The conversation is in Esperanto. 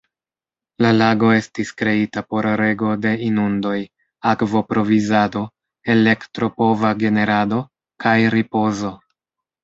La lago estis kreita por rego de inundoj, akvo-provizado, elektro-pova generado, kaj ripozo.